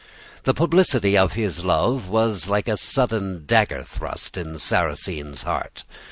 The publicity of his love was like a sudden dagger thrust in Sarrasine's heart.